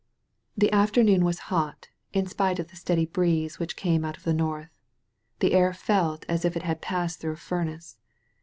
The afternoon was hot, in spite of the steady breeae which came out of the north. The air felt as if it had passed throu^ a furnace.